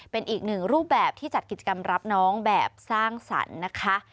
เป็นอีกหนึ่งรูปแบบที่จัดกิจกรรมรับน้องแบบสร้างสรรค์นะคะ